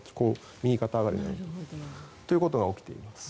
右肩上がりなので。ということが起きています。